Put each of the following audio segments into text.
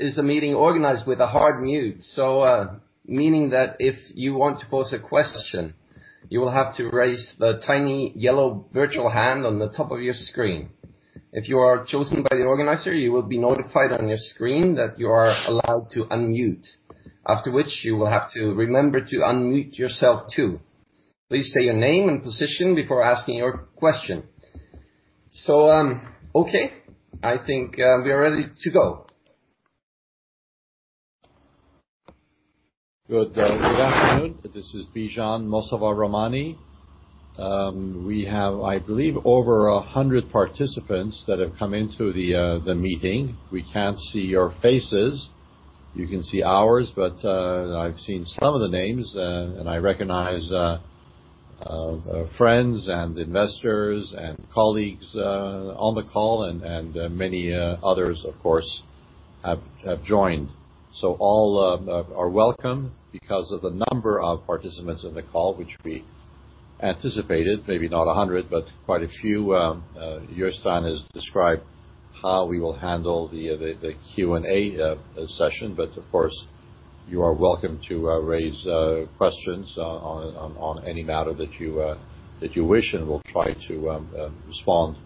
This is a meeting organized with a hard mute, meaning that if you want to pose a question, you will have to raise the tiny yellow virtual hand on the top of your screen. If you are chosen by the organizer, you will be notified on your screen that you are allowed to unmute, after which you will have to remember to unmute yourself, too. Please state your name and position before asking your question. Okay. I think we are ready to go. Good afternoon. This is Bijan Mossavar-Rahmani. We have, I believe, over 100 participants that have come into the meeting. We can't see your faces. You can see ours, I've seen some of the names, and I recognize friends and investors and colleagues on the call, and many others, of course, have joined. All are welcome. Because of the number of participants in the call, which we anticipated, maybe not 100, but quite a few, Jostein has described how we will handle the Q&A session. Of course, you are welcome to raise questions on any matter that you wish, and we'll try to respond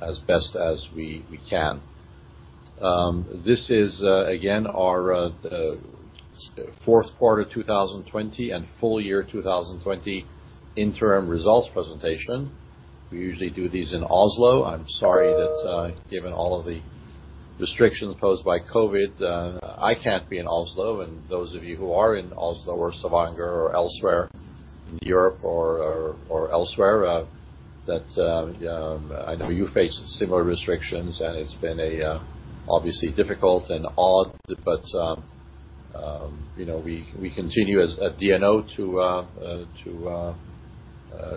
as best as we can. This is, again, our fourth quarter 2020 and full year 2020 interim results presentation. We usually do these in Oslo. I'm sorry that given all of the restrictions posed by COVID, I can't be in Oslo. Those of you who are in Oslo or Stavanger or elsewhere in Europe or elsewhere, that I know you face similar restrictions, it's been obviously difficult and odd, but we continue as DNO to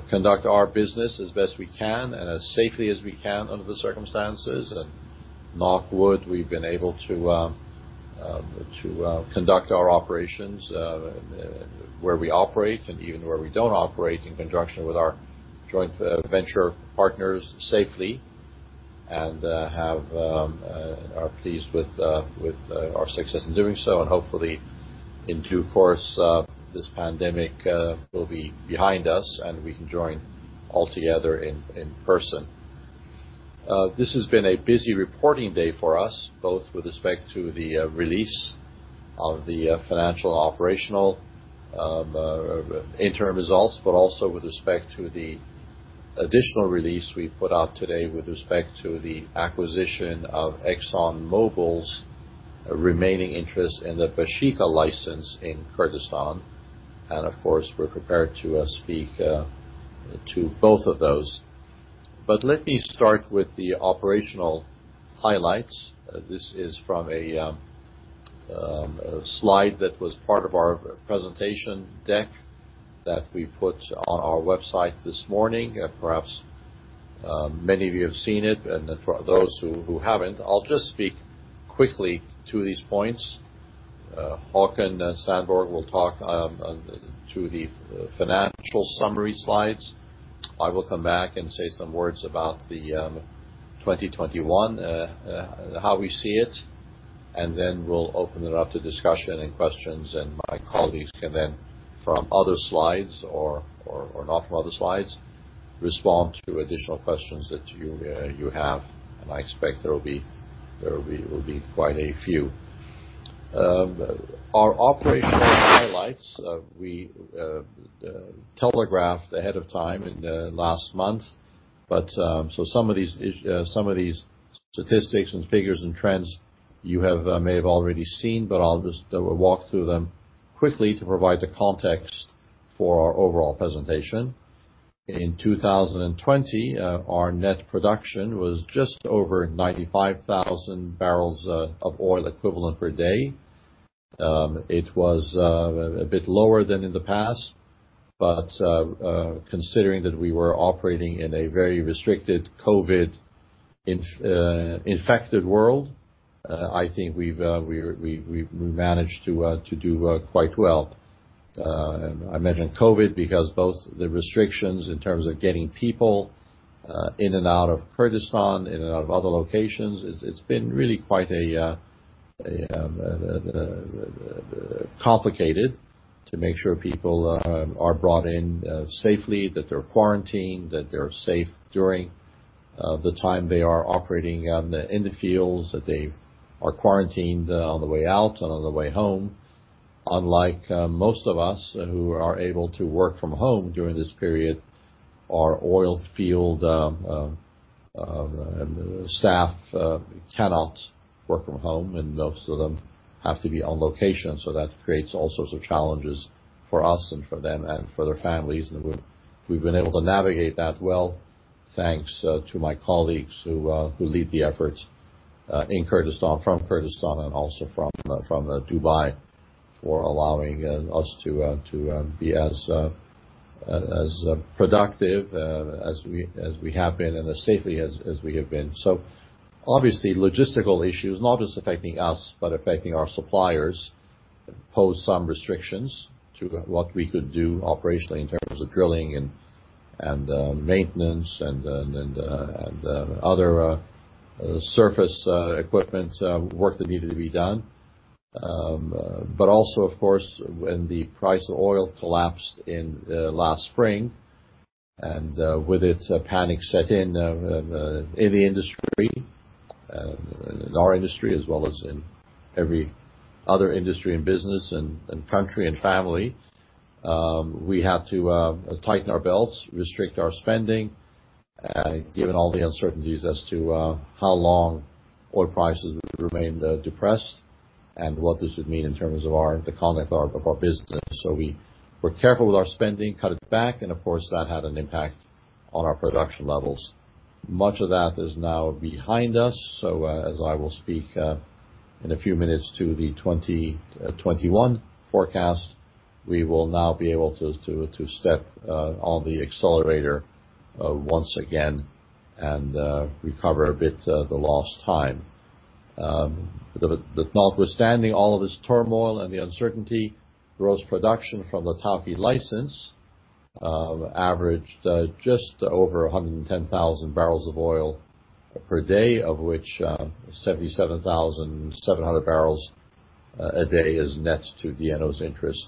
conduct our business as best we can and as safely as we can under the circumstances. Knock on wood, we've been able to conduct our operations where we operate and even where we don't operate in conjunction with our joint venture partners safely, and are pleased with our success in doing so. Hopefully in due course, this pandemic will be behind us, and we can join all together in person. This has been a busy reporting day for us, both with respect to the release of the financial operational interim results, but also with respect to the additional release we put out today with respect to the acquisition of ExxonMobil's remaining interest in the Baeshiqa license in Kurdistan. Of course, we're prepared to speak to both of those. Let me start with the operational highlights. This is from a slide that was part of our presentation deck that we put on our website this morning, and perhaps many of you have seen it. For those who haven't, I'll just speak quickly to these points. Haakon Sandborg will talk to the financial summary slides. I will come back and say some words about the 2021, how we see it, and then we'll open it up to discussion and questions. My colleagues can then from other slides or not from other slides, respond to additional questions that you have, and I expect there will be quite a few. Our operational highlights, we telegraphed ahead of time in last month. Some of these statistics and figures and trends you may have already seen, but I'll just walk through them quickly to provide the context for our overall presentation. In 2020, our net production was just over 95,000 barrels of oil equivalent per day. It was a bit lower than in the past, but considering that we were operating in a very restricted COVID-infected world, I think we managed to do quite well. I mention COVID because both the restrictions in terms of getting people in and out of Kurdistan, in and out of other locations, it's been really quite complicated to make sure people are brought in safely, that they're quarantined, that they're safe during the time they are operating in the fields, that they are quarantined on the way out and on the way home. Unlike most of us who are able to work from home during this period, our oil field staff cannot work from home, and most of them have to be on location. That creates all sorts of challenges for us and for them and for their families. We've been able to navigate that well thanks to my colleagues who lead the efforts from Kurdistan and also from Dubai for allowing us to be as productive as we have been and as safely as we have been. Obviously logistical issues, not just affecting us, but affecting our suppliers, pose some restrictions to what we could do operationally in terms of drilling and maintenance and other surface equipment work that needed to be done. Also, of course, when the price of oil collapsed in last spring, and with it, a panic set in the industry, in our industry as well as in every other industry and business and country and family. We had to tighten our belts, restrict our spending, given all the uncertainties as to how long oil prices would remain depressed and what this would mean in terms of the conduct of our business. We were careful with our spending, cut it back, and of course, that had an impact on our production levels. Much of that is now behind us, as I will speak in a few minutes to the 2021 forecast, we will now be able to step on the accelerator once again and recover a bit of the lost time. Notwithstanding all of this turmoil and the uncertainty, gross production from the Tawke license averaged just over 110,000 barrels of oil per day, of which 77,700 barrels a day is net to DNO's interest.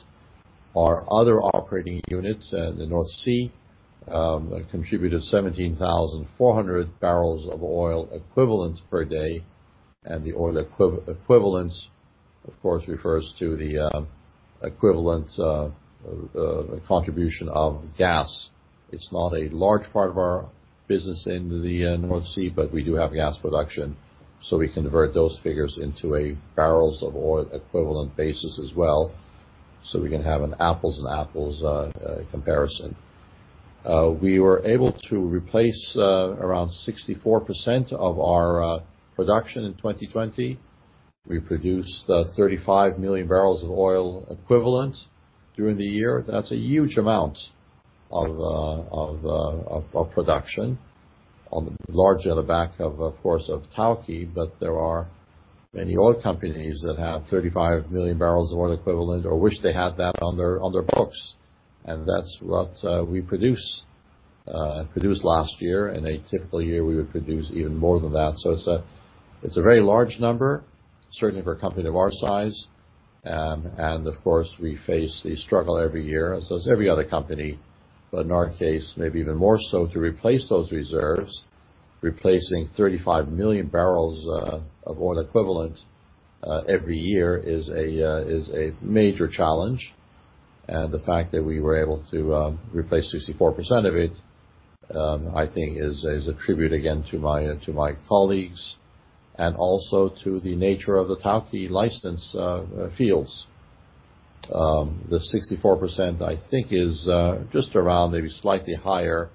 Our other operating units in the North Sea contributed 17,400 barrels of oil equivalents per day, and the oil equivalents, of course, refers to the equivalent contribution of gas. It's not a large part of our business in the North Sea, but we do have gas production, so we convert those figures into a barrels of oil equivalent basis as well, so we can have an apples and apples comparison. We were able to replace around 64% of our production in 2020. We produced 35 million barrels of oil equivalent during the year. That's a huge amount of production, largely on the back of course, of Tawke, but there are many oil companies that have 35 million barrels of oil equivalent or wish they had that on their books, and that's what we produced last year. In a typical year, we would produce even more than that. It's a very large number, certainly for a company of our size. Of course, we face the struggle every year, as does every other company, but in our case, maybe even more so to replace those reserves, replacing 35 million barrels of oil equivalent every year is a major challenge. The fact that we were able to replace 64% of it, I think is a tribute again to my colleagues and also to the nature of the Tawke license fields. The 64%, I think, is just around, maybe slightly higher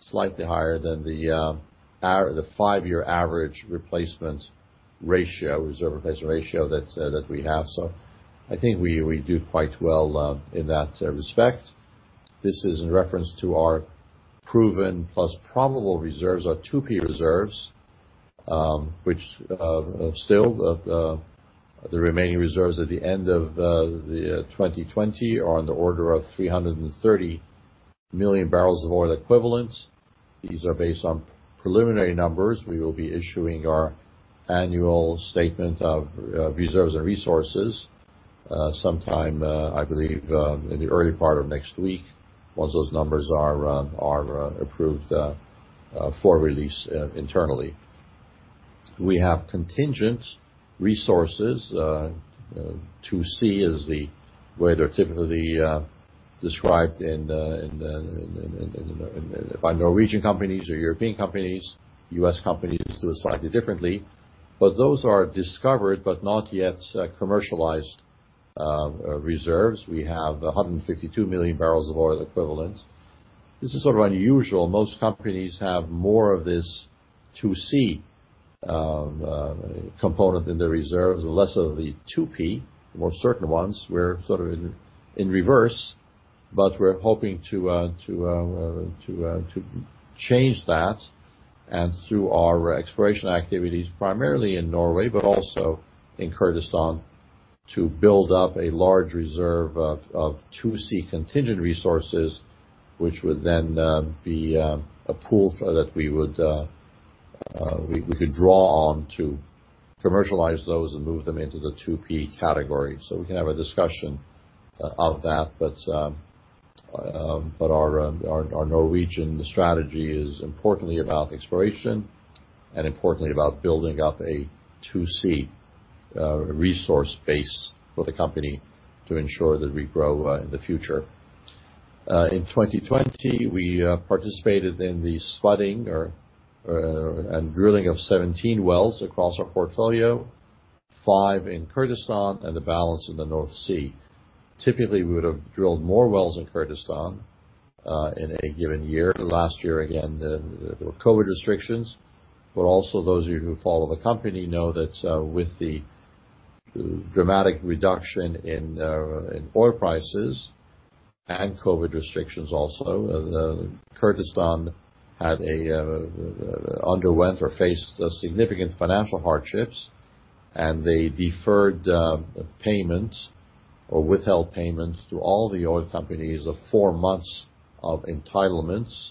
than the five year average reserve replacement ratio that we have. I think we do quite well in that respect. This is in reference to our proven plus probable reserves, our 2P reserves, which of still the remaining reserves at the end of 2020 are on the order of 330 million barrels of oil equivalents. These are based on preliminary numbers. We will be issuing our annual statement of reserves and resources, sometime, I believe, in the early part of next week, once those numbers are approved for release internally. We have contingent resources. 2C is the way they're typically described by Norwegian companies or European companies. U.S. companies do it slightly differently. Those are discovered but not yet commercialized reserves. We have 152 million barrels of oil equivalents. This is sort of unusual. Most companies have more of this 2C component in their reserves and less of the 2P, the more certain ones. We're sort of in reverse, but we're hoping to change that, and through our exploration activities, primarily in Norway, but also in Kurdistan, to build up a large reserve of 2C contingent resources, which would then be a pool that we could draw on to commercialize those and move them into the 2P category. We can have a discussion of that, but our Norwegian strategy is importantly about exploration and importantly about building up a 2C resource base for the company to ensure that we grow in the future. In 2020, we participated in the spudding and drilling of 17 wells across our portfolio, five in Kurdistan and the balance in the North Sea. Typically, we would have drilled more wells in Kurdistan in a given year. Last year, again, there were COVID restrictions, but also those of you who follow the company know that with the dramatic reduction in oil prices. Kurdistan underwent or faced significant financial hardships, and they deferred payments or withheld payments to all the oil companies of four months of entitlements,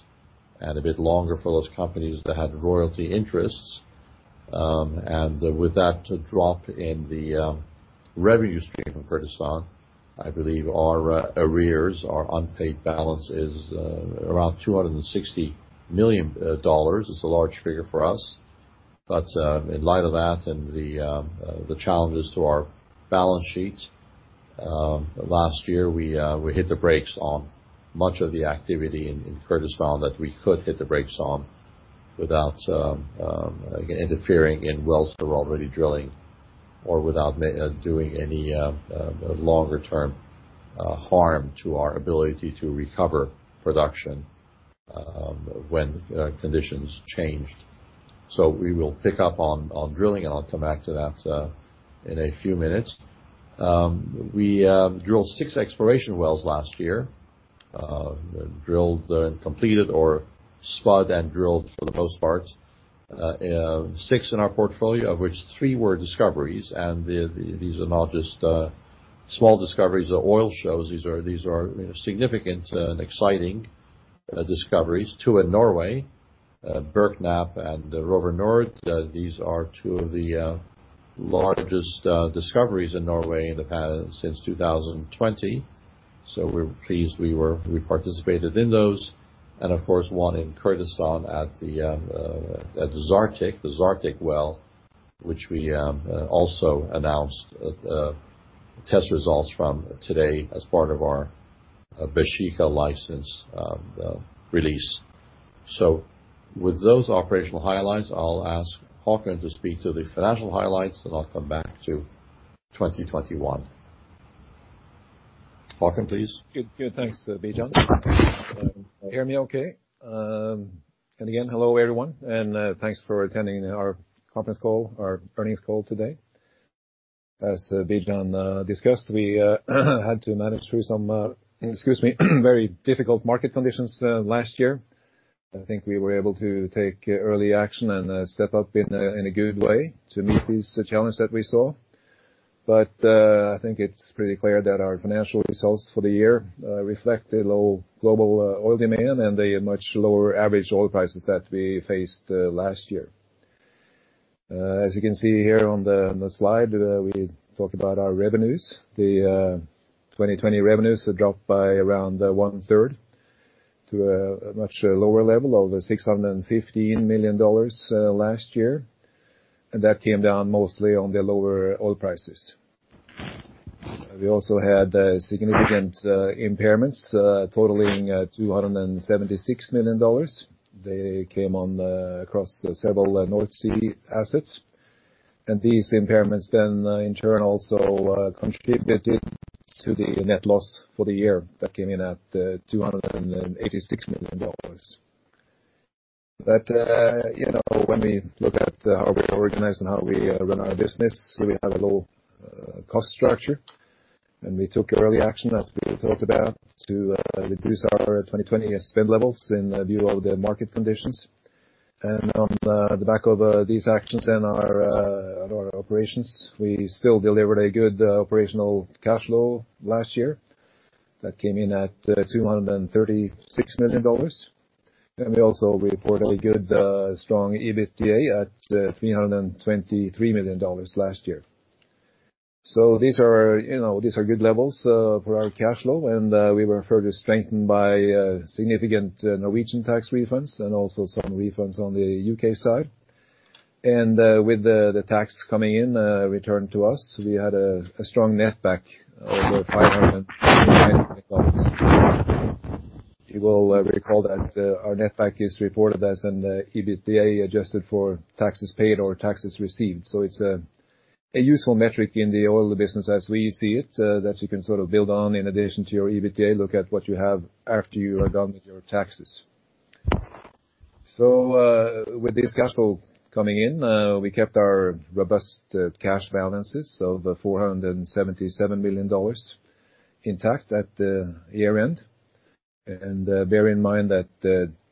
and a bit longer for those companies that had royalty interests. With that drop in the revenue stream from Kurdistan, I believe our arrears, our unpaid balance, is around $260 million. It's a large figure for us. In light of that and the challenges to our balance sheets, last year, we hit the brakes on much of the activity in Kurdistan that we could hit the brakes on without interfering in wells that were already drilling or without doing any longer-term harm to our ability to recover production when conditions changed. We will pick up on drilling, and I'll come back to that in a few minutes. We drilled six exploration wells last year. Drilled and completed or spud and drilled, for the most part, six in our portfolio, of which three were discoveries. These are not just small discoveries or oil shows. These are significant and exciting discoveries. Two in Norway, Bergknapp and Røver Nord. These are two of the largest discoveries in Norway since 2020. We're pleased we participated in those. Of course, one in Kurdistan at the Zartik well, which we also announced test results from today as part of our Baeshiqa license release. With those operational highlights, I'll ask Haakon to speak to the financial highlights, and I'll come back to 2021. Haakon, please. Good. Thanks, Bijan. Can you hear me okay? Again, hello everyone, and thanks for attending our conference call, our earnings call today. As Bijan discussed, we had to manage through some, excuse me, very difficult market conditions last year. I think we were able to take early action and step up in a good way to meet these challenges that we saw. I think it's pretty clear that our financial results for the year reflect the low global oil demand and the much lower average oil prices that we faced last year. As you can see here on the slide, we talk about our revenues. The 2020 revenues dropped by around one-third to a much lower level of $615 million last year. That came down mostly on the lower oil prices. We also had significant impairments totaling $276 million. They came on across several North Sea assets. These impairments then in turn also contributed to the net loss for the year that came in at $286 million. When we look at how we organize and how we run our business, we have a low cost structure, and we took early action, as we talked about, to reduce our 2020 spend levels in view of the market conditions. On the back of these actions and our operations, we still delivered a good operational cash flow last year that came in at $236 million. We also reported a good, strong EBITDA at $323 million last year. These are good levels for our cash flow, and we were further strengthened by significant Norwegian tax refunds and also some refunds on the U.K. side. With the tax coming in, returned to us, we had a strong netback of over $590 million. You will recall that our netback is reported as an EBITDA adjusted for taxes paid or taxes received. It's a useful metric in the oil business as we see it, that you can sort of build on in addition to your EBITDA, look at what you have after you are done with your taxes. With this cash flow coming in, we kept our robust cash balances of $477 million intact at the year-end. Bear in mind that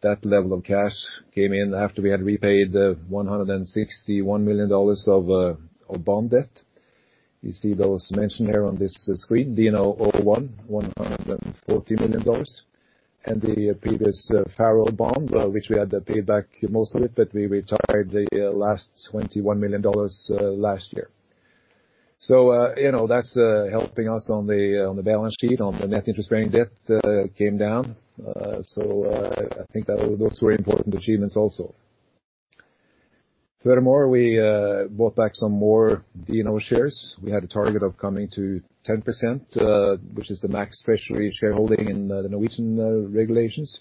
that level of cash came in after we had repaid $161 million of bond debt. You see those mentioned here on this screen, DNO 01, $140 million, and the previous Faroe bond, which we had paid back most of it, but we retired the last $21 million last year. That's helping us on the balance sheet on the net interest-bearing debt came down. I think those were important achievements also. Furthermore, we bought back some more DNO shares. We had a target of coming to 10%, which is the max treasury shareholding in the Norwegian regulations.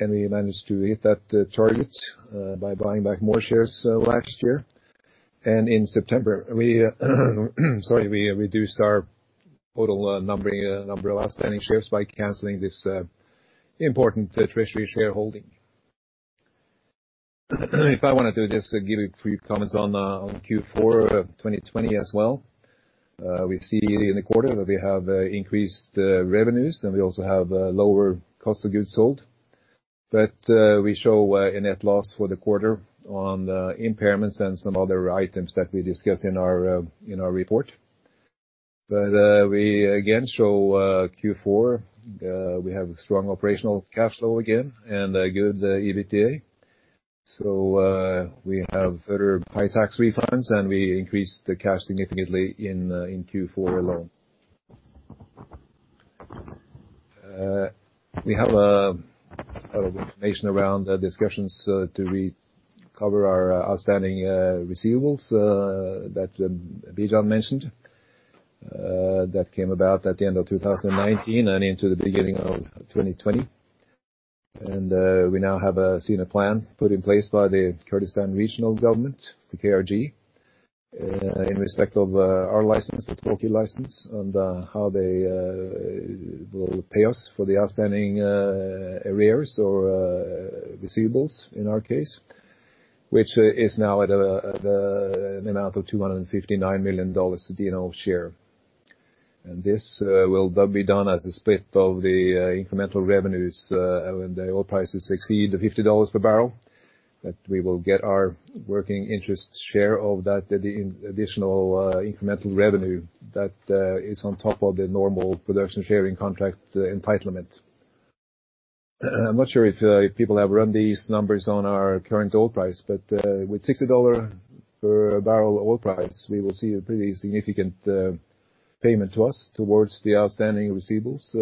We managed to hit that target by buying back more shares last year. In September, we reduced our total number of outstanding shares by canceling this important treasury shareholding. If I want to just give a few comments on Q4 2020 as well. We see in the quarter that we have increased revenues. We also have lower cost of goods sold. We show a net loss for the quarter on impairments and some other items that we discuss in our report. We again show Q4, we have strong operational cash flow again and good EBITDA. We have further high tax refunds, and we increased the cash significantly in Q4 alone. We have a lot of information around the discussions to recover our outstanding receivables that Bijan mentioned that came about at the end of 2019 and into the beginning of 2020. We now have seen a plan put in place by the Kurdistan Regional Government, the KRG, in respect of our license, the Tawke license, and how they will pay us for the outstanding arrears or receivables in our case, which is now at an amount of $259 million DNO share. This will be done as a split of the incremental revenues when the oil prices exceed the $50 per barrel, that we will get our working interest share of that additional incremental revenue that is on top of the normal production sharing contract entitlement. I'm not sure if people have run these numbers on our current oil price, with $60 per barrel oil price, we will see a pretty significant payment to us towards the outstanding receivables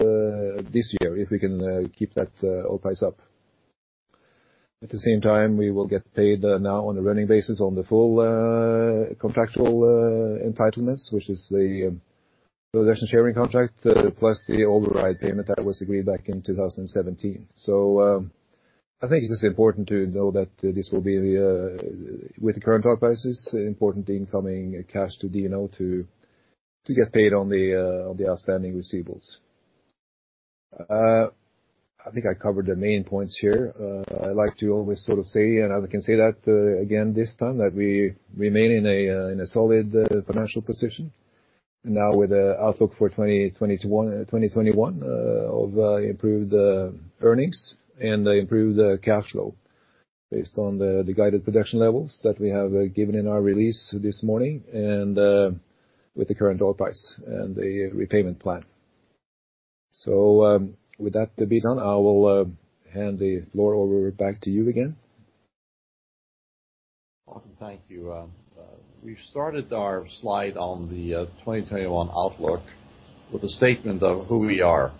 this year if we can keep that oil price up. At the same time, we will get paid now on a running basis on the full contractual entitlements, which is the production sharing contract, plus the override payment that was agreed back in 2017. I think it is important to know that this will be, with the current oil prices, important incoming cash to DNO to get paid on the outstanding receivables. I think I covered the main points here. I like to always sort of say, and I can say that again this time, that we remain in a solid financial position now with the outlook for 2021 of improved earnings and improved cash flow based on the guided production levels that we have given in our release this morning and with the current oil price and the repayment plan. With that, Bijan, I will hand the floor over back to you again. Okay. Thank you. We've started our slide on the 2021 outlook with a statement of who we are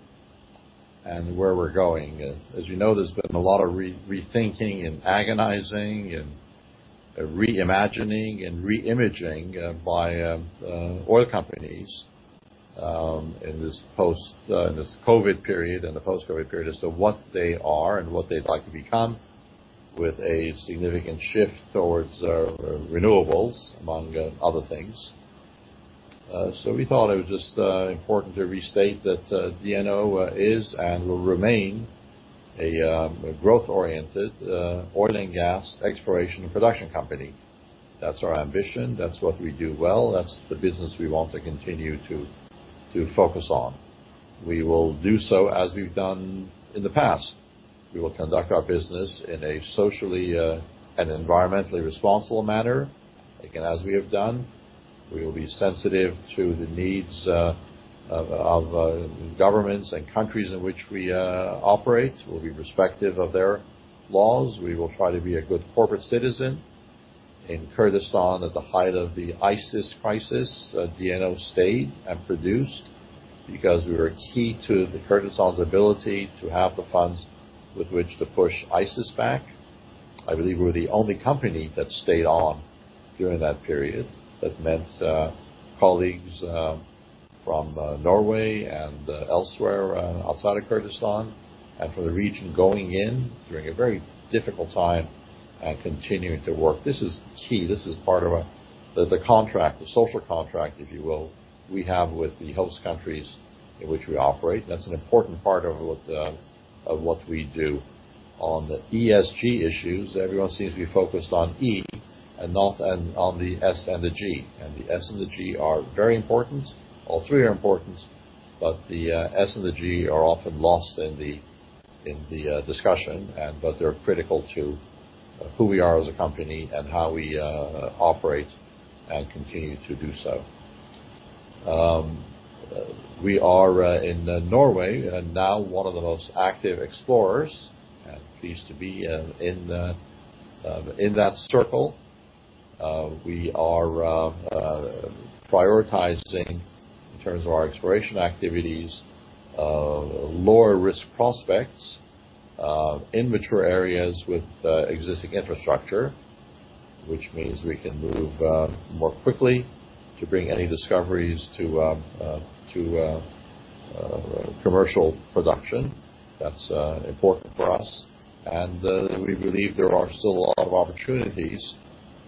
and where we're going. As you know, there's been a lot of rethinking, and agonizing, and reimagining, and re-imaging by oil companies in this COVID period and the post-COVID period as to what they are and what they'd like to become, with a significant shift towards renewables, among other things. We thought it was just important to restate that DNO is and will remain a growth-oriented oil and gas exploration and production company. That's our ambition. That's what we do well. That's the business we want to continue to focus on. We will do so as we've done in the past. We will conduct our business in a socially and environmentally responsible manner, again, as we have done. We will be sensitive to the needs of governments and countries in which we operate. We'll be respectful of their laws. We will try to be a good corporate citizen. In Kurdistan at the height of the ISIS crisis, DNO stayed and produced because we were key to the Kurdistan's ability to have the funds with which to push ISIS back. I believe we were the only company that stayed on during that period. That meant colleagues from Norway and elsewhere outside of Kurdistan and for the region going in during a very difficult time and continuing to work. This is key. This is part of the contract, the social contract, if you will, we have with the host countries in which we operate. That's an important part of what we do. On the ESG issues, everyone seems to be focused on E and not on the S and the G. The S and the G are very important. All three are important, the S and the G are often lost in the discussion, but they're critical to who we are as a company and how we operate and continue to do so. We are in Norway and now one of the most active explorers, and pleased to be in that circle. We are prioritizing, in terms of our exploration activities, lower risk prospects in mature areas with existing infrastructure, which means we can move more quickly to bring any discoveries to commercial production. That's important for us. We believe there are still a lot of opportunities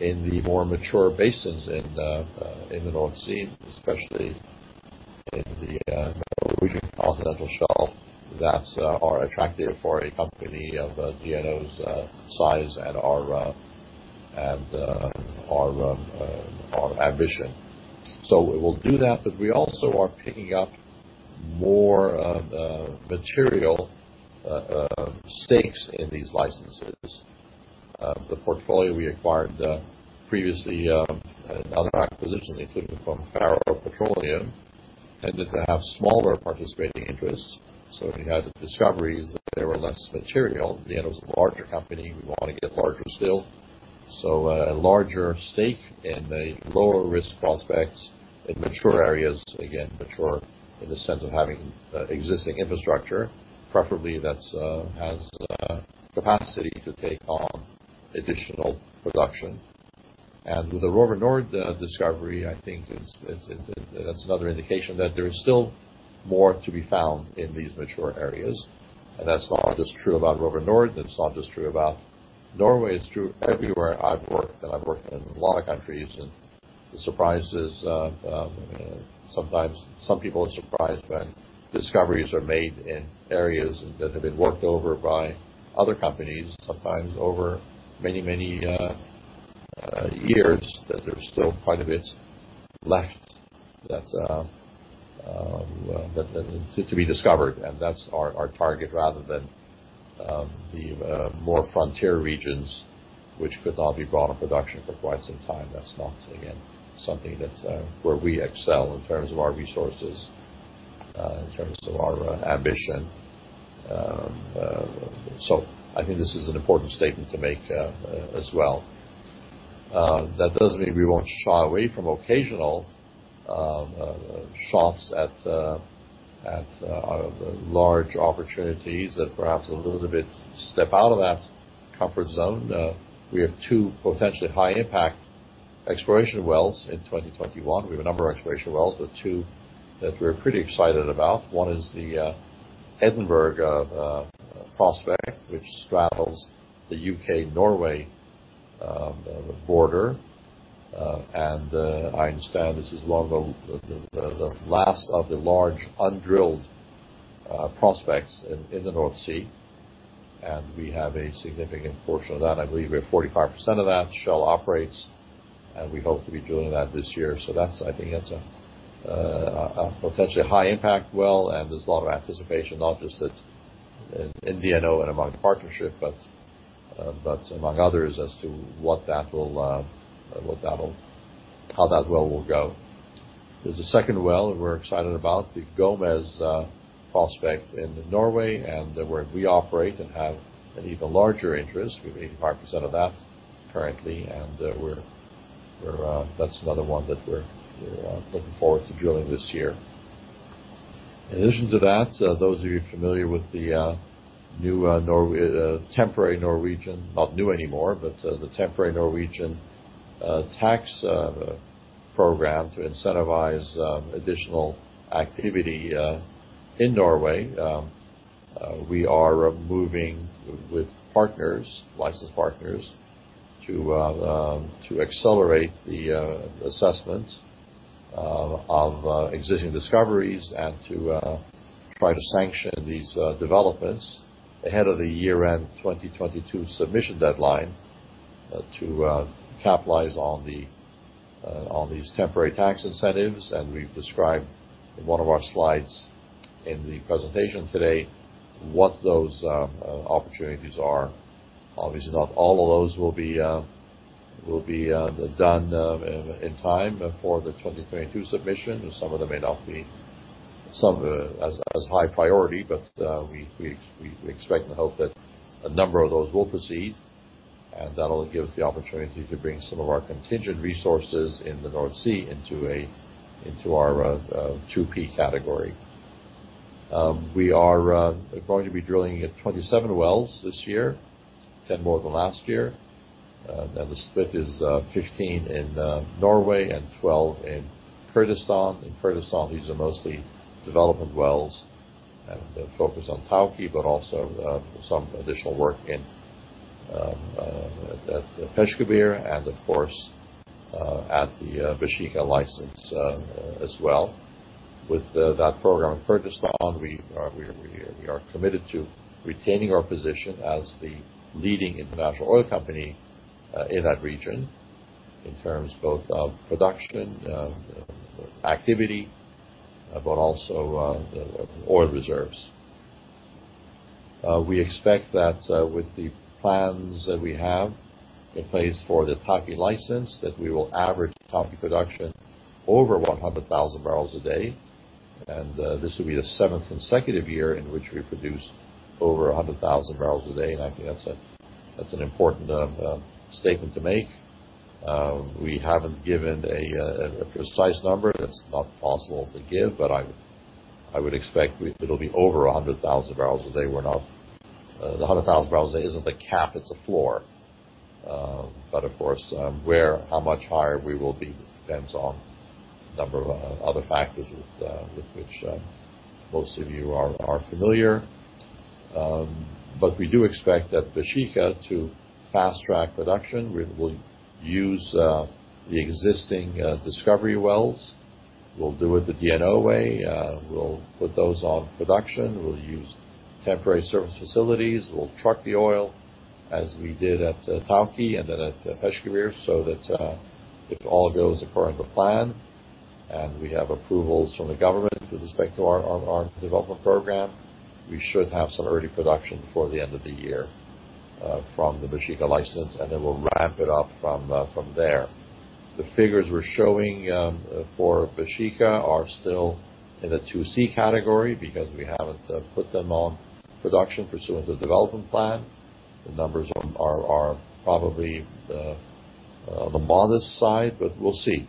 in the more mature basins in the North Sea, especially in the Norwegian continental shelf that are attractive for a company of DNO's size and our ambition. We will do that, but we also are picking up more material stakes in these licenses. The portfolio we acquired previously, and now the acquisitions, including from Faroe Petroleum, tended to have smaller participating interests. When you had the discoveries, they were less material. DNO's a larger company. We want to get larger still. A larger stake in a lower-risk prospects in mature areas. Again, mature in the sense of having existing infrastructure, preferably that has capacity to take on additional production. With the Røver Nord discovery, I think that's another indication that there is still more to be found in these mature areas. That's not just true about Røver Nord, and it's not just true about Norway. It's true everywhere I've worked, I've worked in a lot of countries, the surprise is sometimes some people are surprised when discoveries are made in areas that have been worked over by other companies, sometimes over many years, that there's still quite a bit left to be discovered. That's our target rather than the more frontier regions, which could not be brought to production for quite some time. That's not, again, something where we excel in terms of our resources, in terms of our ambition. I think this is an important statement to make as well. That doesn't mean we won't shy away from occasional shots at large opportunities that perhaps a little bit step out of that comfort zone. We have two potentially high-impact exploration wells in 2021. We have a number of exploration wells, but two that we're pretty excited about. One is the Edinburgh prospect, which straddles the U.K. Norway border. I understand this is one of the last of the large undrilled prospects in the North Sea, and we have a significant portion of that. I believe we have 45% of that. Shell operates, and we hope to be drilling that this year. That's, I think, that's a potentially high-impact well, and there's a lot of anticipation, not just in DNO and among the partnership, but among others as to how that well will go. There's a second well that we're excited about, the Gomez prospect in Norway, and where we operate and have an even larger interest. We have 85% of that currently, and that's another one that we're looking forward to drilling this year. In addition to that, those of you familiar with the new temporary Norwegian, not new anymore, but the temporary Norwegian tax program to incentivize additional activity in Norway, we are moving with partners, licensed partners, to accelerate the assessment of existing discoveries and to try to sanction these developments ahead of the year-end 2022 submission deadline to capitalize on these temporary tax incentives. We've described in one of our slides in the presentation today what those opportunities are. Obviously, not all of those will be done in time for the 2022 submission, and some of them may not be as high priority. We expect and hope that a number of those will proceed, and that'll give us the opportunity to bring some of our contingent resources in the North Sea into our 2P category. We are going to be drilling 27 wells this year, 10 more than last year. The split is 15 in Norway and 12 in Kurdistan. In Kurdistan, these are mostly development wells and focus on Tawke, but also some additional work at Peshkabir and of course, at the Baeshiqa license as well. With that program in Kurdistan, we are committed to retaining our position as the leading international oil company in that region in terms both of production, activity, but also oil reserves. We expect that with the plans that we have in place for the Tawke license, that we will average Tawke production over 100,000 barrels a day. This will be the seventh consecutive year in which we produced over 100,000 barrels a day. I think that's an important statement to make. We haven't given a precise number. That's not possible to give, but I would expect it'll be over 100,000 barrels a day. 100,000 barrels a day isn't a cap, it's a floor. Of course, how much higher we will be depends on a number of other factors with which most of you are familiar. We do expect at Baeshiqa to fast-track production. We will use the existing discovery wells. We'll do it the DNO way. We'll put those on production. We'll use temporary service facilities. We'll truck the oil as we did at Tawke and then at Peshkabir, so that if all goes according to plan, and we have approvals from the government with respect to our development program, we should have some early production before the end of the year from the Baeshiqa license, and then we'll ramp it up from there. The figures we're showing for Baeshiqa are still in the 2C category because we haven't put them on production pursuant to the development plan. The numbers are probably on the modest side, we'll see.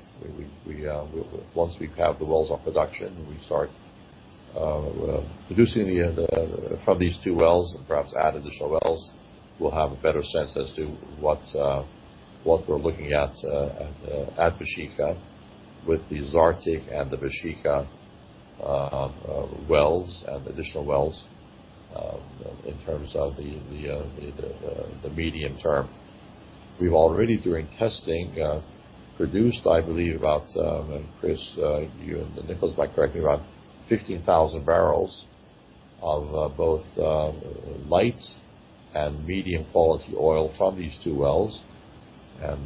Once we have the wells on production, we start producing from these two wells and perhaps add additional wells, we'll have a better sense as to what we're looking at at Baeshiqa with the Zartik and the Baeshiqa wells and additional wells in terms of the medium term. We've already, during testing, produced, I believe about Chris, you and Nicholas might correct me, around 15,000 barrels of both light and medium-quality oil from these two wells.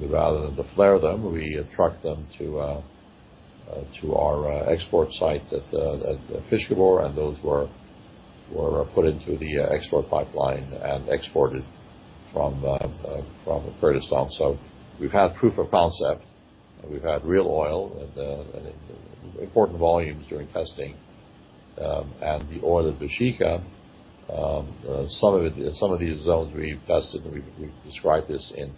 Rather than to flare them, we truck them to our export site at Fish Khabur, those were put into the export pipeline and exported from Kurdistan. We've had proof of concept, and we've had real oil and important volumes during testing. The oil at Baeshiqa, some of these zones we've tested, and we've described this in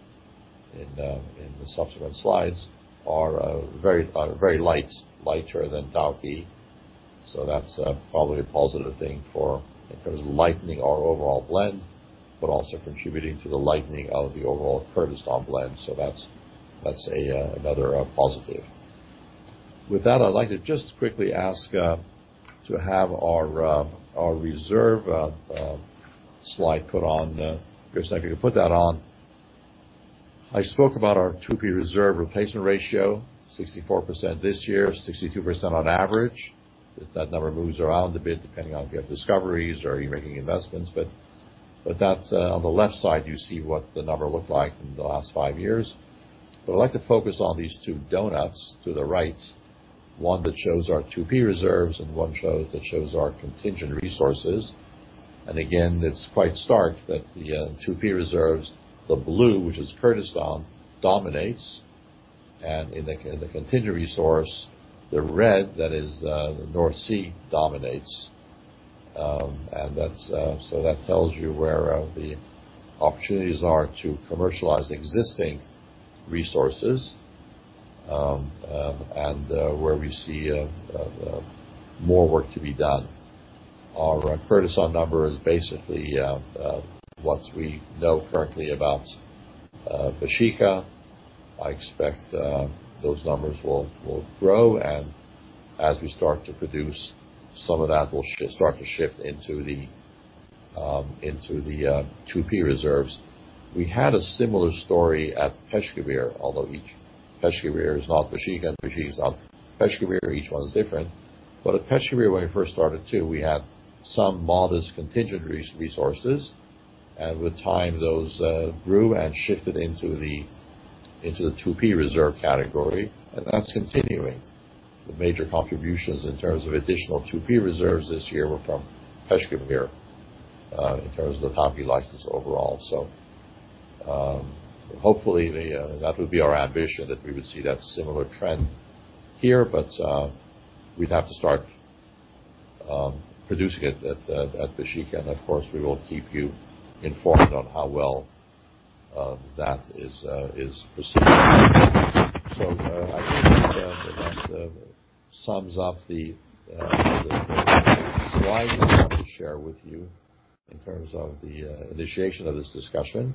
the subsequent slides, are very light, lighter than Tawke. That's probably a positive thing for, in terms of lightening our overall blend, but also contributing to the lightening of the overall Kurdistan blend. That's another positive. With that, I'd like to just quickly ask to have our reserve slide put on. Chris, if you could put that on. I spoke about our 2P reserve replacement ratio, 64% this year, 62% on average. That number moves around a bit depending on if you have discoveries or are you making investments. That's on the left side, you see what the number looked like in the last five years. I'd like to focus on these two donuts to the right, one that shows our 2P reserves and one that shows our contingent resources. Again, it's quite stark that the 2P reserves, the blue, which is Kurdistan, dominates, and in the contingent resource, the red that is the North Sea dominates. That tells you where the opportunities are to commercialize existing resources and where we see more work to be done. Our Kurdistan number is basically what we know currently about Baeshiqa. I expect those numbers will grow, and as we start to produce, some of that will start to shift into the 2P reserves. We had a similar story at Peshkabir, although each, Peshkabir is not Baeshiqa, and Baeshiqa is not Peshkabir. Each one's different. At Peshkabir, when we first started too, we had some modest contingent resources. With time, those grew and shifted into the 2P reserve category, and that's continuing. The major contributions in terms of additional 2P reserves this year were from Peshkabir in terms of the Tawke license overall. Hopefully, that would be our ambition, that we would see that similar trend here, but we'd have to start producing it at Baeshiqa. Of course, we will keep you informed on how well that is proceeding. I think that sums up the slides I wanted to share with you in terms of the initiation of this discussion.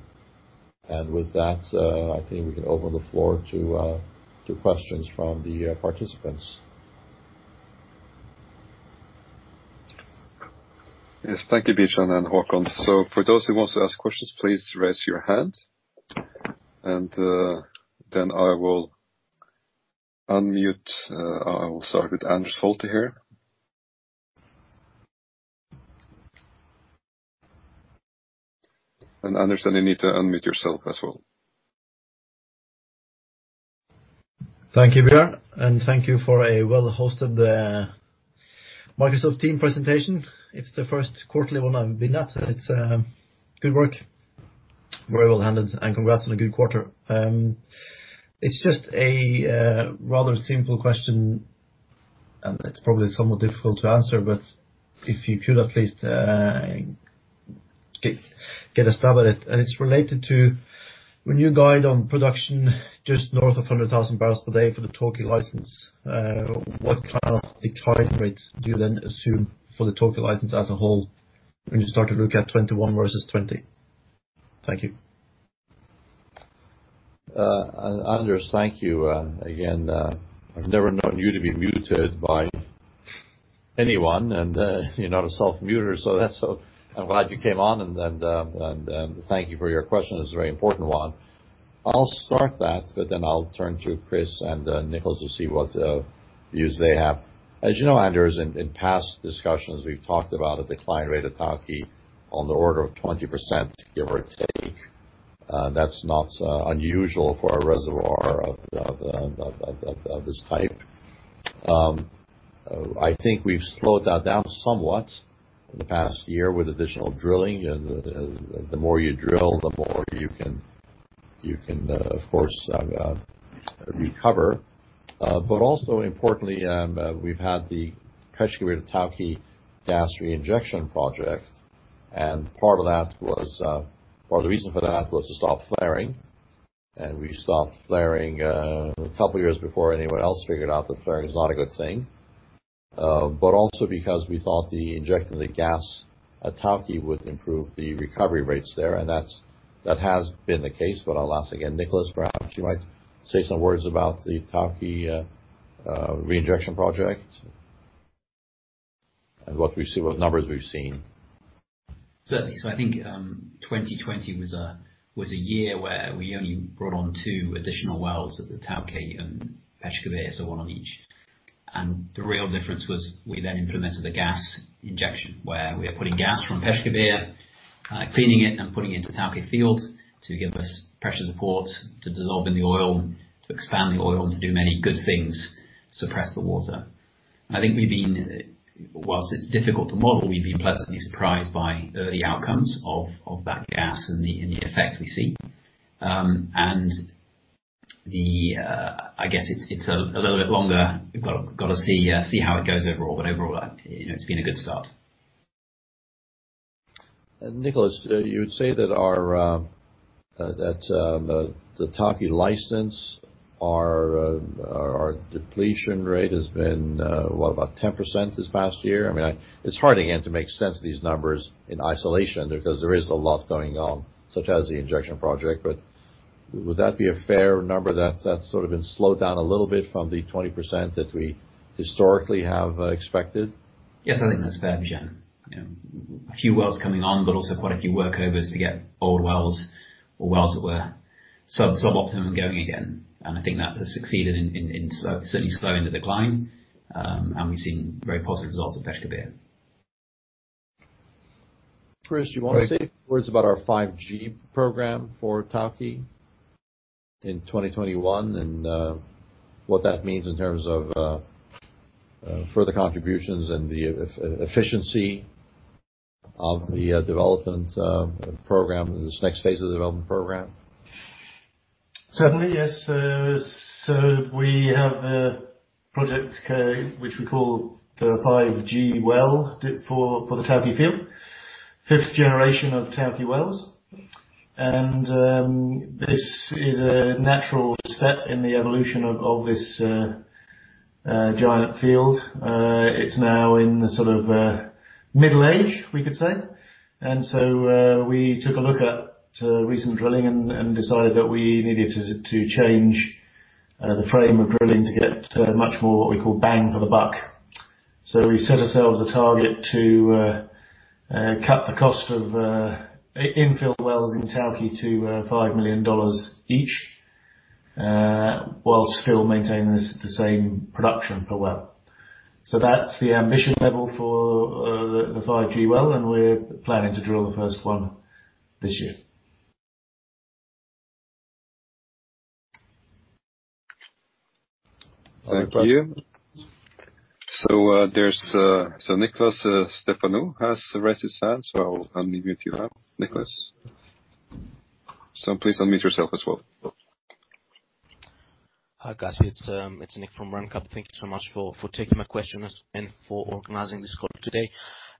With that, I think we can open the floor to questions from the participants. Yes. Thank you, Bjørn and Haakon. For those who want to ask questions, please raise your hand, I will unmute. I will start with Anders Holte here. Anders, you need to unmute yourself as well. Thank you, Bjørn, and thank you for a well-hosted Microsoft Teams presentation. It's the first quarterly one I've been at, and it's good work. Very well handled, and congrats on a good quarter. It's just a rather simple question, and it's probably somewhat difficult to answer, but if you could at least get a stab at it. It's related to when you guide on production just north of 100,000 barrels per day for the Tawke license, what kind of decline rates do you then assume for the Tawke license as a whole when you start to look at 2021 vs. 2020? Thank you. Anders, thank you. I've never known you to be muted by anyone, you're not a self-muter, I'm glad you came on, and thank you for your question. It's a very important one. I'll start that, I'll turn to Chris and Nicholas to see what views they have. As you know, Anders, in past discussions, we've talked about a decline rate of Tawke on the order of 20%, give or take. That's not unusual for a reservoir of this type. I think we've slowed that down somewhat in the past year with additional drilling. The more you drill, the more you can, of course, recover. Also importantly, we've had the Peshkabir Tawke gas reinjection project, and part of the reason for that was to stop flaring. We stopped flaring a couple of years before anyone else figured out that flaring is not a good thing. Also because we thought injecting the gas at Tawke would improve the recovery rates there, and that has been the case. I'll ask again, Nicholas, perhaps you might say some words about the Tawke reinjection project and what numbers we've seen. Certainly. I think 2020 was a year where we only brought on two additional wells at the Tawke and Peshkabir, one on each. The real difference was we then implemented the gas injection, where we are putting gas from Peshkabir, cleaning it, and putting it into Tawke field to give us pressure support to dissolve in the oil, to expand the oil, and to do many good things, suppress the water. I think whilst it's difficult to model, we've been pleasantly surprised by early outcomes of that gas and the effect we see. I guess it's a little bit longer. We've got to see how it goes overall. Overall, it's been a good start. Nicholas, you would say that the Tawke license, our depletion rate has been what? About 10% this past year? I mean, it's hard, again, to make sense of these numbers in isolation because there is a lot going on, such as the injection project. Would that be a fair number that's sort of been slowed down a little bit from the 20% that we historically have expected? Yes, I think that's fair, Bijan. A few wells coming on, but also quite a few workovers to get old wells or wells that were sub-optimum going again. I think that has succeeded in certainly slowing the decline. We've seen very positive results at Peshkabir. Chris, you want to say a few words about our 5G program for Tawke in 2021 and what that means in terms of further contributions and the efficiency of this next phase of the development program? Certainly, yes. We have a project which we call the 5G Well for the Tawke field, fifth generation of Tawke wells. This is a natural step in the evolution of this giant field. It's now in the sort of middle age, we could say. We took a look at recent drilling and decided that we needed to change the frame of drilling to get much more, what we call bang for the buck. We set ourselves a target to cut the cost of infill wells in Tawke to $5 million each, whilst still maintaining the same production per well. That's the ambition level for the 5G Well, and we're planning to drill the first one this year. Thank you. Nikolas Stefanou has raised his hand, so I'll unmute you now. Nikolas. Please unmute yourself as well. Hi, guys. It's Nikolas from RenCap. Thank you so much for taking my questions and for organizing this call today.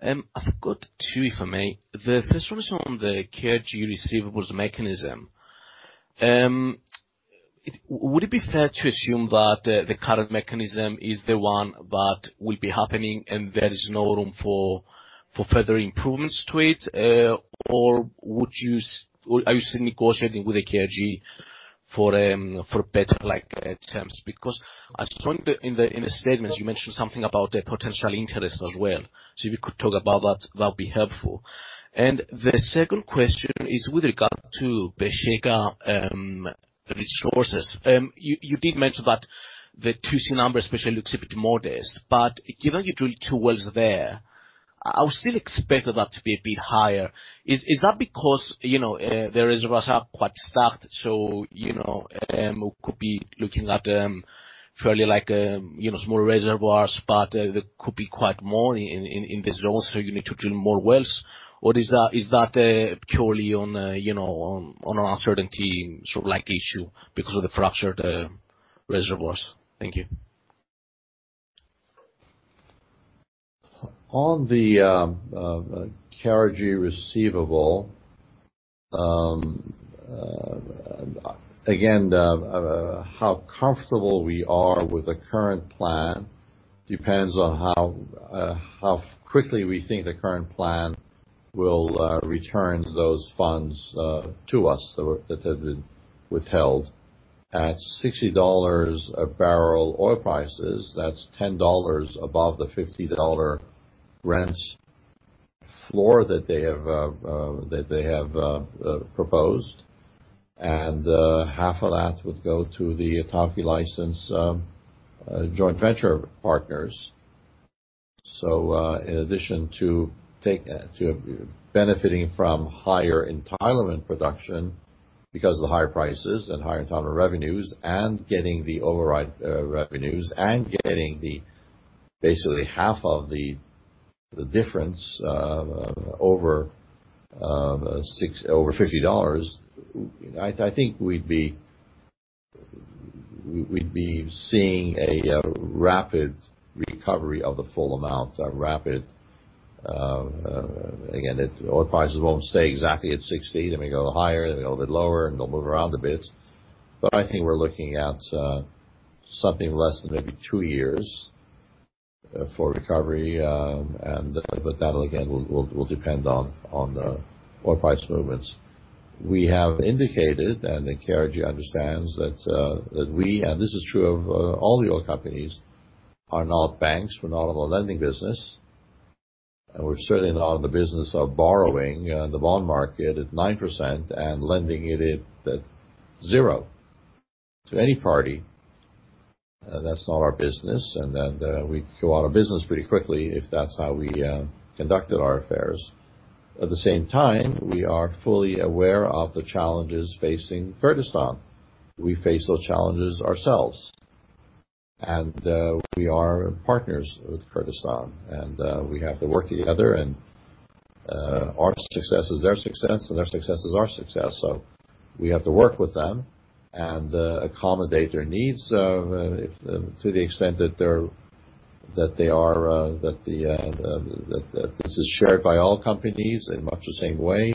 I've got two, if I may. The first one is on the KRG receivables mechanism. Would it be fair to assume that the current mechanism is the one that will be happening and there is no room for further improvements to it? Are you still negotiating with the KRG for better terms? I saw in the statement you mentioned something about a potential interest as well. If you could talk about that'd be helpful. The second question is with regard to Peshkabir resources. You did mention that the 2C numbers especially looks a bit modest. Given you drill two wells there, I would still expect that to be a bit higher. Is that because the reservoirs are quite stacked, so we could be looking at fairly small reservoirs, but there could be quite more in this zone, so you need to drill more wells? Or is that purely on an uncertainty sort of issue because of the fractured reservoirs? Thank you. On the KRG receivable, again, how comfortable we are with the current plan depends on how quickly we think the current plan will return those funds to us that have been withheld. At $60 a barrel oil prices, that's $10 above the $50 Brent floor that they have proposed, and half of that would go to the Tawke license joint venture partners. In addition to benefiting from higher entitlement production because of the higher prices and higher entitlement revenues and getting the override revenues and getting basically half of the difference of over $50, I think we'd be seeing a rapid recovery of the full amount. Rapid, again, oil prices won't stay exactly at 60. They may go higher, they may go a bit lower, and they'll move around a bit. I think we're looking at something less than maybe two years for recovery. That, again, will depend on oil price movements. We have indicated, and the KRG understands, that we, and this is true of all the oil companies, are not banks. We're not in the lending business, and we're certainly not in the business of borrowing the bond market at 9% and lending it at zero to any party. That's not our business, and then we'd go out of business pretty quickly if that's how we conducted our affairs. At the same time, we are fully aware of the challenges facing Kurdistan. We face those challenges ourselves, and we are partners with Kurdistan, and we have to work together, and our success is their success, and their success is our success. We have to work with them and accommodate their needs to the extent that this is shared by all companies in much the same way,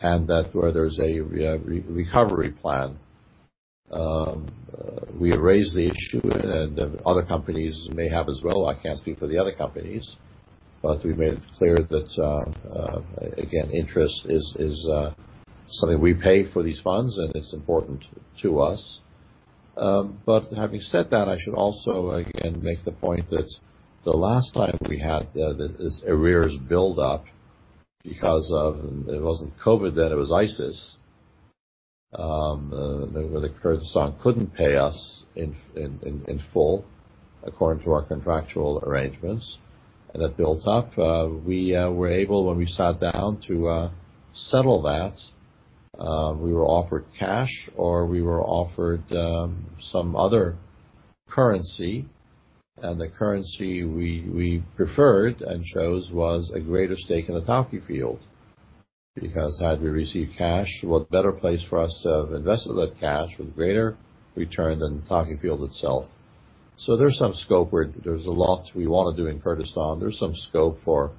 and that where there's a recovery plan. We raised the issue, and other companies may have as well. I can't speak for the other companies, but we've made it clear that, again, interest is something we pay for these funds, and it's important to us. Having said that, I should also again make the point that the last time we had this arrears build-up, it wasn't COVID then, it was ISIS, where the Kurdistan couldn't pay us in full according to our contractual arrangements, and it built up. We were able, when we sat down to settle that, we were offered cash or we were offered some other currency. The currency we preferred and chose was a greater stake in the Tawke field. Because had we received cash, what better place for us to have invested that cash with greater return than the Tawke field itself? There's some scope where there's a lot we want to do in Kurdistan. There's some scope for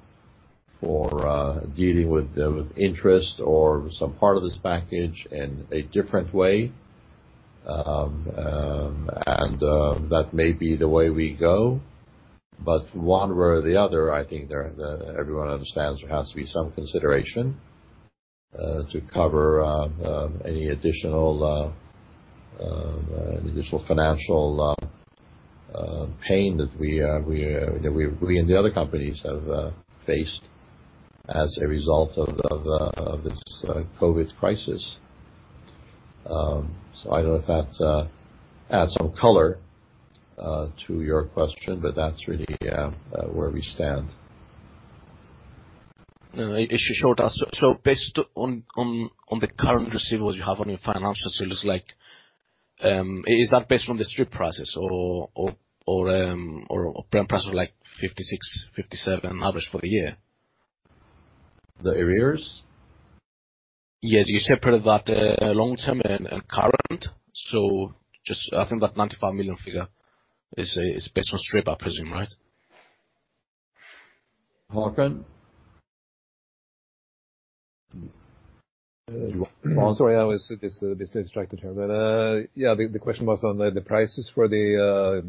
dealing with interest or some part of this package in a different way, and that may be the way we go. One way or the other, I think everyone understands there has to be some consideration to cover any additional financial pain that we and the other companies have faced as a result of this COVID crisis. I don't know if that adds some color to your question, but that's really where we stand. No, it sure does. Based on the current receivables you have on your financial facilities, is that based on the strip prices or Brent price of 56, 57 average for the year? The arrears? Yes, you separate that long-term and current. I think that $95 million figure is based on strip, I presume, right? Haakon? Sorry, I was a bit distracted here. Yeah, the question was on the prices for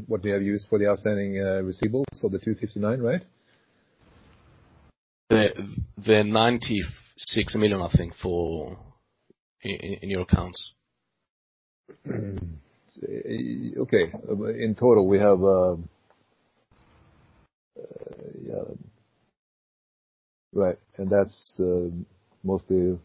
what we have used for the outstanding receivables, so the $259, right? The $96 million, I think, in your accounts. In total, that's mostly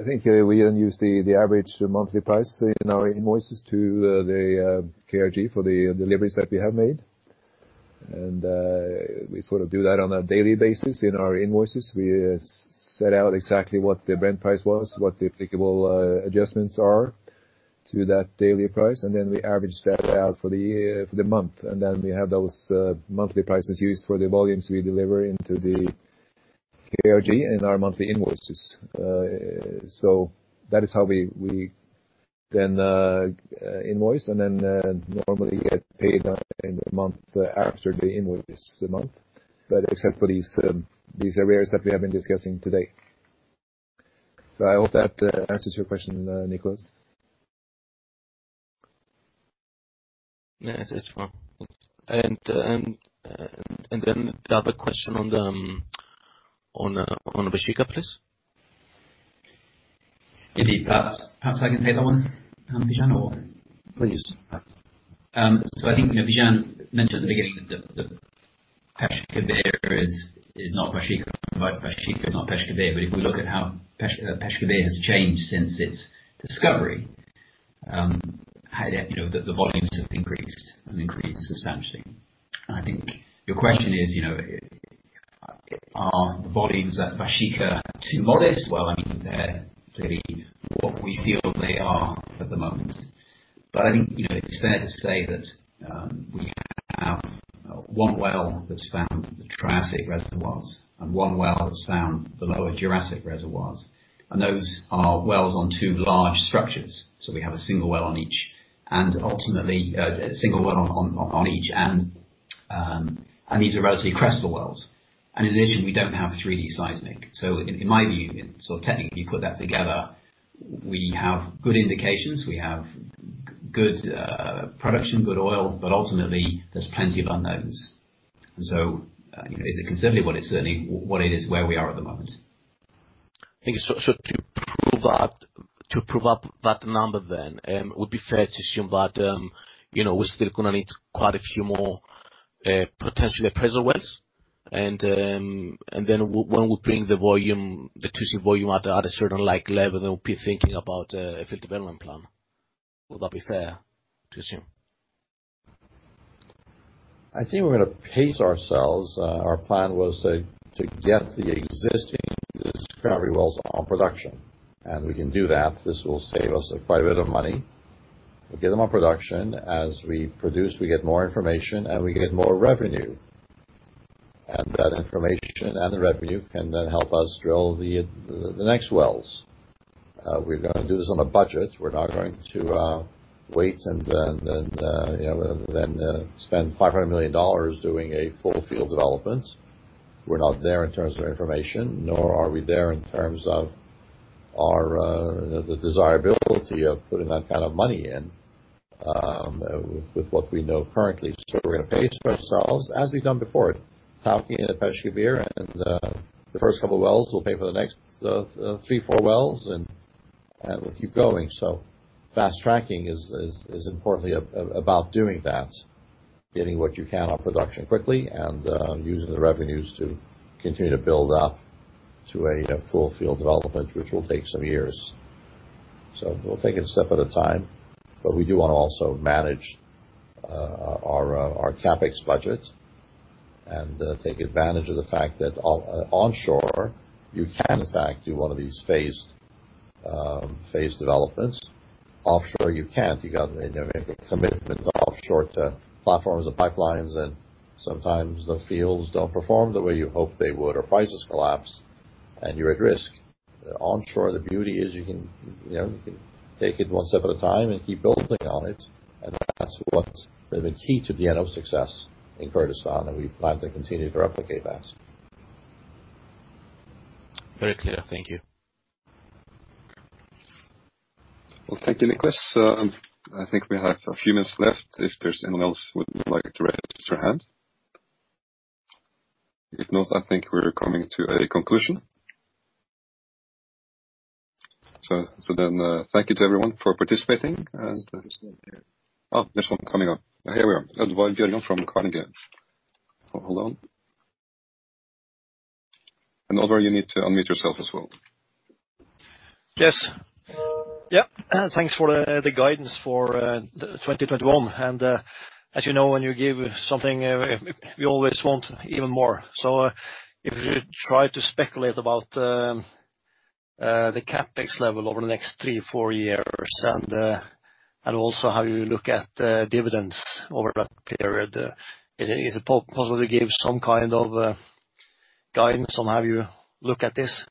I think we use the average monthly price in our invoices to the KRG for the deliveries that we have made. We sort of do that on a daily basis in our invoices. We set out exactly what the Brent price was, what the applicable adjustments are to that daily price, and then we average that out for the month. Then we have those monthly prices used for the volumes we deliver into the KRG in our monthly invoices. That is how we then invoice, and then normally get paid in the month after the invoice month, except for these arrears that we have been discussing today. I hope that answers your question, Nikolas. Yes, it's fine. The other question on the Peshkabir, please. Indeed. Perhaps I can take that one, Bijan, or? Please. I think Bijan mentioned at the beginning that Peshkabir is not Baeshiqa and Baeshiqa is not Peshkabir. If we look at how Peshkabir has changed since its discovery, the volumes have increased and increased substantially. I think your question is, are the volumes at Baeshiqa too modest? They're clearly what we feel they are at the moment. I think it's fair to say that we have one well that's found the Triassic reservoirs and one well that's found the lower Jurassic reservoirs, and those are wells on two large structures, so we have a single well on each. Ultimately, a single well on each, and these are relatively aggressive wells. In addition, we don't have 3D seismic. In my view, technically you put that together, we have good indications, we have good production, good oil, but ultimately, there's plenty of unknowns. It is certainly what it is, where we are at the moment. Thank you. To prove up that number then, it would be fair to assume that we're still going to need quite a few more potentially appraisal wells, and then when we bring the crucial volume at a certain level, then we'll be thinking about a field development plan. Would that be fair to assume? I think we're going to pace ourselves. Our plan was to get the existing discovery wells on production, we can do that. This will save us quite a bit of money. We'll get them on production. As we produce, we get more information, we get more revenue. That information and the revenue can then help us drill the next wells. We're going to do this on a budget. We're not going to wait and then spend $500 million doing a full field development. We're not there in terms of information, nor are we there in terms of the desirability of putting that kind of money in with what we know currently. We're going to pace ourselves as we've done before at Tawke and at Peshkabir, the first couple wells will pay for the next three, four wells, we'll keep going. Fast-tracking is importantly about doing that, getting what you can on production quickly and using the revenues to continue to build up to a full field development, which will take some years. We'll take it a step at a time, but we do want to also manage our CapEx budget and take advantage of the fact that onshore you can, in fact, do one of these phased developments. Offshore, you can't. You have a commitment to offshore to platforms and pipelines, and sometimes the fields don't perform the way you hope they would, or prices collapse, and you're at risk. Onshore, the beauty is you can take it one step at a time and keep building on it, and that's what has been key to DNO's success in Kurdistan, and we plan to continue to replicate that. Very clear. Thank you. Well, thank you, Nikolas. I think we have a few minutes left if there's anyone else who would like to raise their hand. If not, I think we're coming to a conclusion. Thank you to everyone for participating. There's one here. Oh, there's one coming up. Here we are. Oddvar Bjørgan from Carnegie. Hold on. Oddvar, you need to unmute yourself as well. Yes. Yeah, thanks for the guidance for 2021. As you know, when you give something, we always want even more. If you try to speculate about the CapEx level over the next three, four years and also how you look at dividends over that period, is it possible to give some kind of guidance on how you look at this?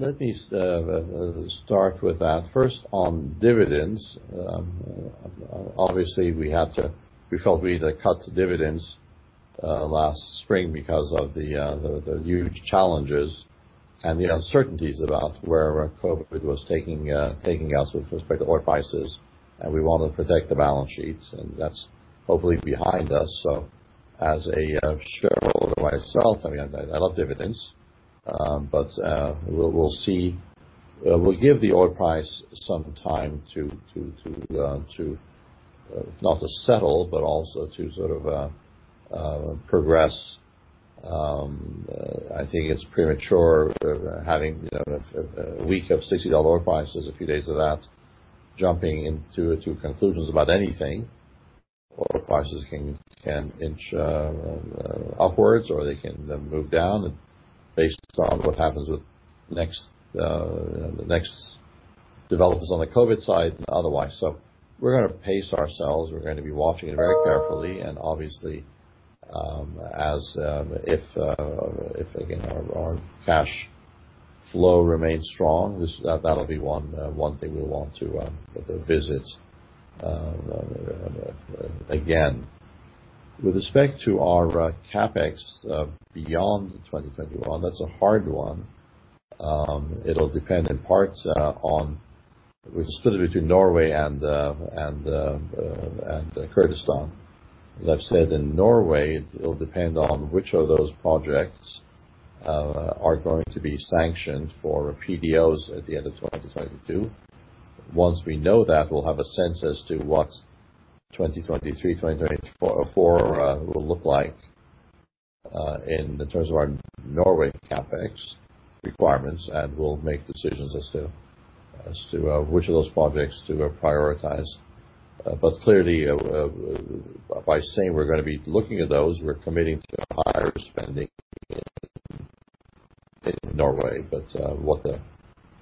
Let me start with that. First, on dividends, obviously, we felt we had to cut the dividends last spring because of the huge challenges and the uncertainties about where COVID was taking us with respect to oil prices, and we want to protect the balance sheet, and that's hopefully behind us. As a shareholder myself, I love dividends, but we'll see. We'll give the oil price some time, not to settle, but also to sort of progress. I think it's premature having a week of $60 oil prices, a few days of that, jumping into conclusions about anything. Oil prices can inch upwards, or they can then move down based on what happens with the next developments on the COVID side and otherwise. We're going to pace ourselves. We're going to be watching it very carefully and obviously if, again, our cash flow remains strong. That'll be one thing we'll want to visit again. With respect to our CapEx beyond 2021, that's a hard one. It'll depend in part. We're split between Norway and Kurdistan. As I've said, in Norway, it'll depend on which of those projects are going to be sanctioned for PDOs at the end of 2022. Once we know that, we'll have a sense as to what 2023, 2024 will look like in terms of our Norway CapEx requirements. We'll make decisions as to which of those projects to prioritize. Clearly, by saying we're going to be looking at those, we're committing to higher spending in Norway. What the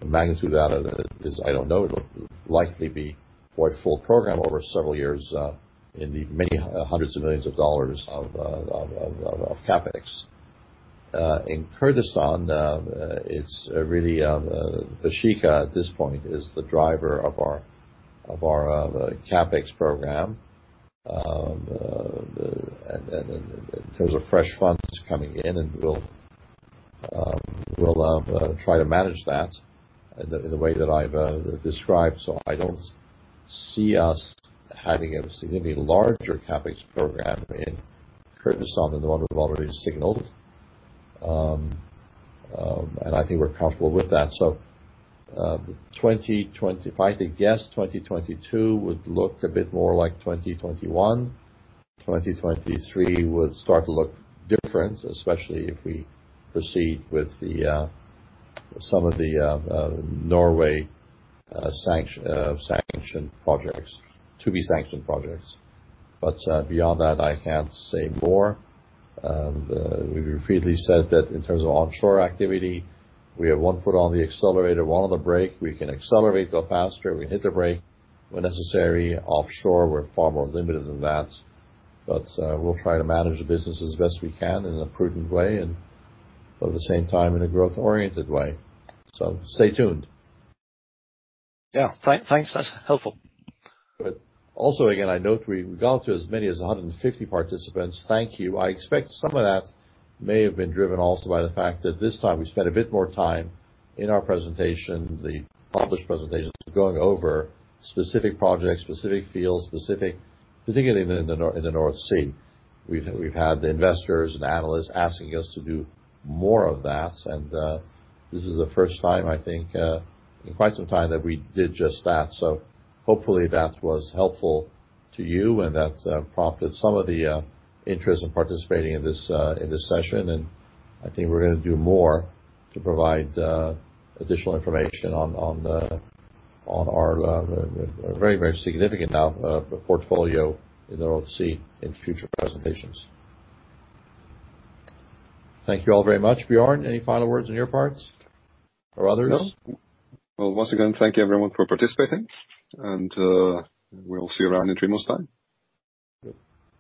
magnitude of that is, I don't know. It'll likely be, for a full program over several years, in the many hundreds of millions of dollars of CapEx. In Kurdistan, it's really Baeshiqa at this point is the driver of our CapEx program in terms of fresh funds coming in. We'll try to manage that in the way that I've described. I don't see us having a significantly larger CapEx program in Kurdistan than the one we've already signaled. I think we're comfortable with that. If I had to guess, 2022 would look a bit more like 2021. 2023 would start to look different, especially if we proceed with some of the Norway to-be-sanctioned projects. Beyond that, I can't say more. We've repeatedly said that in terms of onshore activity, we have one foot on the accelerator, one on the brake. We can accelerate, go faster, we can hit the brake when necessary. Offshore, we're far more limited than that. We'll try to manage the business as best we can in a prudent way and, at the same time, in a growth-oriented way. Stay tuned. Yeah. Thanks. That's helpful. Also, again, I note we got to as many as 150 participants. Thank you. I expect some of that may have been driven also by the fact that this time we spent a bit more time in our presentation, the published presentation, going over specific projects, specific fields, specifically in the North Sea. We've had the investors and analysts asking us to do more of that, and this is the first time, I think, in quite some time that we did just that. Hopefully that was helpful to you and that's prompted some of the interest in participating in this session. I think we're going to do more to provide additional information on our very significant portfolio in the North Sea in future presentations. Thank you all very much. Bjørn, any final words on your part or others? No. Well, once again, thank you everyone for participating, and we'll see you around in three months' time. Good.